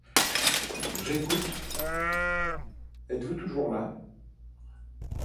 J’écoute ; Êtes-vous toujours là?